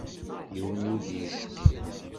Yiwen ur d-yecqi.